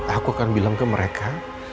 aku akan bilang ke mereka